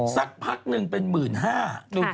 สักพักนึงเป็นหมื่นห้า